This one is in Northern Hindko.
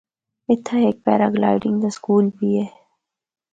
اِتھا ہک پیرا گلائیڈنگ دا سکول بھی اے۔